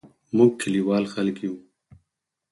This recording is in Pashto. موږ کلیوال خلګ یو